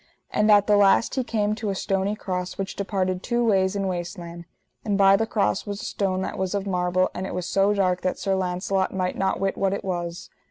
And at the last he came to a stony cross which departed two ways in waste land; and by the cross was a stone that was of marble, but it was so dark that Sir Launcelot might not wit what it was.